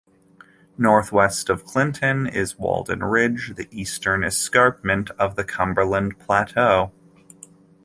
Northwest of Clinton is Walden Ridge, the eastern escarpment of the Cumberland Plateau.